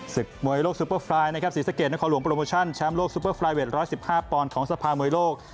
ศึกมวยโลกซูเปอร์ไฟล์นครหลวงโปรโมชันแชมป์โลกซูเปอร์ไฟล์เวท๑๑๕ปอนด์ของสภาโมยโลก